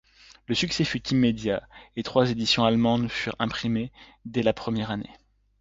Le succès fut immédiat et trois éditions allemandes furent imprimées dès la première année.